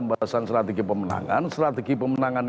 pembahasan strategi pemenangan strategi pemenangan